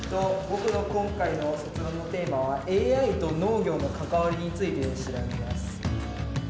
僕の今回の卒論のテーマはＡＩと農業の関わりについて調べます。